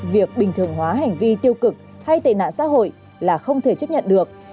việc bình thường hóa hành vi tiêu cực hay tệ nạn xã hội là không thể chấp nhận được